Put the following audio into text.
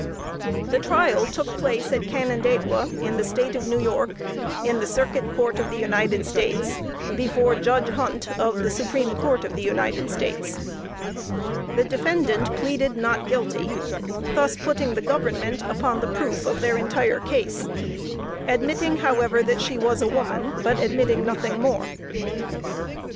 The trial took place at Canandaigua, in the State of New York, in the Circuit Court of the United States, before Judge Hunt, of the Supreme Court of the United States. The defendant pleaded not guilty thus putting the Government upon the proof of their entire case, admitting, however, that she was a woman, but admitting nothing more.